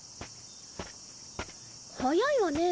早いわね。